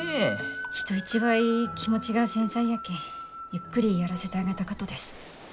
人一倍気持ちが繊細やけんゆっくりやらせてあげたかとです。